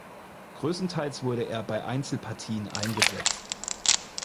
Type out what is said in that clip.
Größtenteils wurde er bei Einzelpartien eingesetzt.